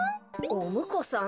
おむこさん？